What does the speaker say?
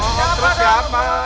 oh terus siapa